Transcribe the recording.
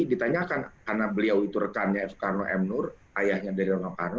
ditanyakan karena beliau itu rekannya soekarno m noor ayahnya dari rano karno